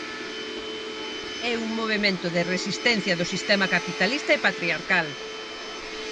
É un movemento de resistencia do sistema capitalista e patriarcal.